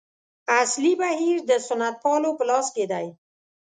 اصلي بهیر د سنتپالو په لاس کې دی.